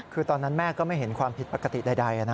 คือตอนนั้นแม่ก็ไม่เห็นความผิดปกติใด